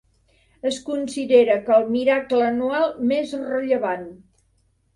Es considera que el miracle anual més rellevant.